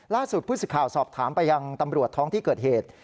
ล่าสุดผู้สิทธิ์ข่าวสอบถามไปยังตำรวจท้องที่เกิดเหตุ